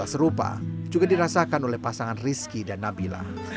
hal serupa juga dirasakan oleh pasangan rizki dan nabilah